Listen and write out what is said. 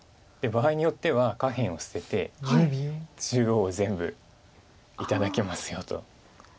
「場合によっては下辺を捨てて中央を全部頂きますよ」と。